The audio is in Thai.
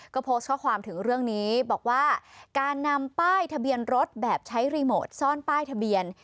ก็โพสต์ข้อความถึงเรื่องนี้บอกว่าการนำป้ายทะเบียนรถแบบใช้รีโมทซ่อนป้ายทะเบียน